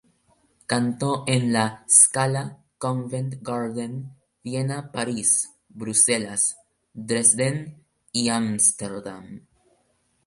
Cantó en La Scala, Covent Garden, Viena, Paris, Bruselas, Dresden y Amsterdam.